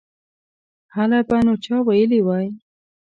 هله به نو چا ویلي وای.